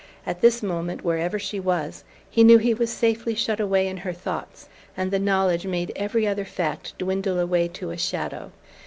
At this moment, wherever she was, he knew he was safely shut away in her thoughts, and the knowledge made every other fact dwindle away to a shadow.